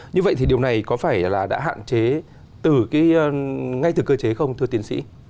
như vậy thì điều này có phải là đã hạn chế ngay từ cơ chế không thưa tiến sĩ